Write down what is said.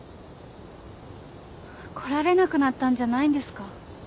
来られなくなったんじゃないんですか？